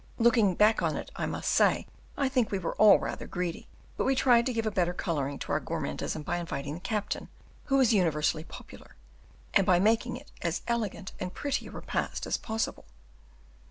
Looking back on it, I must say I think we were all rather greedy, but we tried to give a better colouring to our gourmandism by inviting the captain, who was universally popular, and by making it as elegant and pretty a repast as possible.